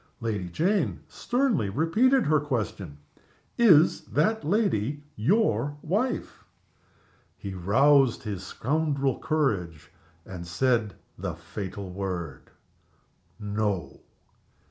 Lady Jane sternly repeated her question. "Is that lady your wife?" He roused his scoundrel courage, and said the fatal word: "No!"